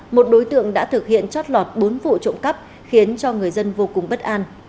một đối tượng đã thực hiện chót lọt bốn vụ trộm cắp khiến cho người dân vô cùng bất an